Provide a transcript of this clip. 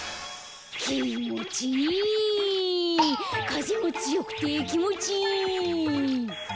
かぜもつよくてきもちいい！